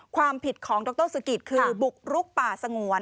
ความผิดของดรสุกิตคือบุกรุกป่าสงวน